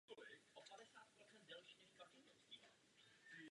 Nadarmo nezachází s člověkem.